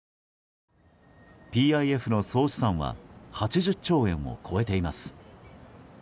ＰＩＦの総資産は８０兆円を超えています。